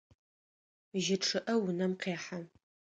Жьы чъыӏэ унэм къехьэ.